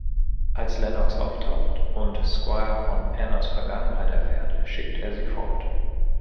Als Lennox auftaucht und Squire von Annas Vergangenheit erfährt, schickt er sie fort.